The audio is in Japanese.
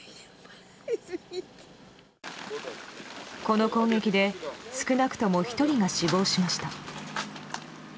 この攻撃で少なくとも１人が死亡しました。